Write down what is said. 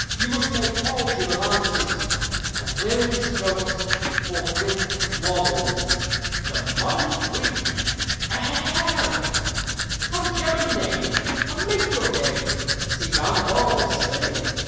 You must make all due allowances hem!" And, clearing his throat, he forthwith warbled THE MODERN GREEK (Not translated from the Romaic.) Come, gemmen, name, and make your game, See, round the ball is spinning.